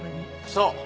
そう。